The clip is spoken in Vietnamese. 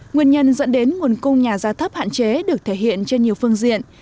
nguyên nhân dẫn đến nguồn cung nhà giá thấp hạn chế được thể hiện trên nhiều phương diện